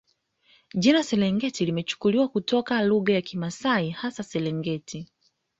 Jina Serengeti limechukuliwa kutoka lugha ya Kimasai hasa Serengeti